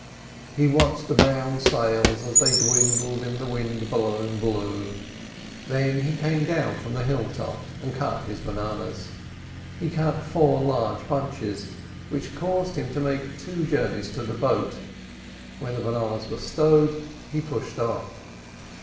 He watched the brown sails as they dwindled in the wind blown blue, then he came down from the hill top and cut his bananas. He cut four large bunches, which caused him to make two journeys to the boat. When the bananas were stowed he pushed off.